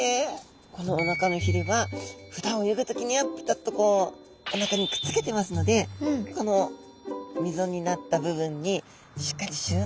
このおなかのひれはふだん泳ぐ時にはピタッとこうおなかにくっつけてますのでこの溝になった部分にしっかり収納できちゃうんですね。